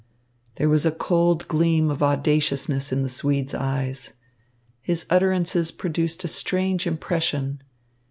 There was a cold gleam of audaciousness in the Swede's eyes. His utterances produced a strange impression.